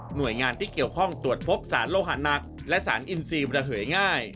โดยงานที่เกี่ยวข้องตรวจพบสารโลหะหนักและสารอินทรีย์ระเหยง่าย